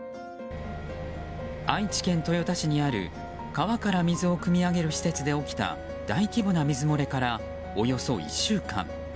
愛知県豊田市にある、川から水をくみ上げる施設で起きた大規模な水漏れからおよそ１週間。